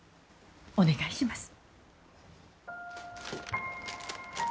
お願いします。